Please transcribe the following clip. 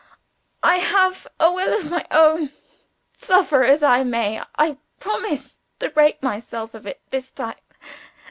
I have a will of my own: suffer as I may, I promise to break myself of it this time.